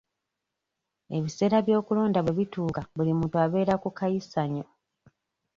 Ebiseera by'okulonda bwe bituuka buli muntu abeera ku kayisanyo.